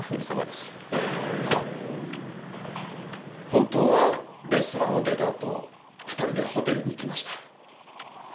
本当はレストランを出たあと２人でホテルに行きました。